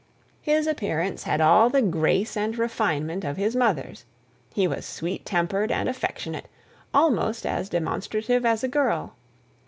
His appearance had all the grace and refinement of his mother's. He was sweet tempered and affectionate, almost as demonstrative as a girl.